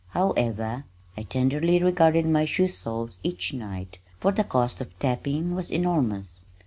However, I tenderly regarded my shoe soles each night, for the cost of tapping was enormous.